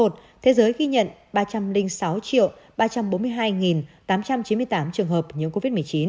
thế giới ghi nhận ba trăm linh sáu ba trăm bốn mươi hai tám trăm chín mươi tám trường hợp nhiễm covid một mươi chín